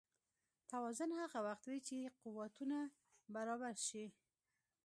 توازن هغه وخت وي چې قوتونه برابر شي.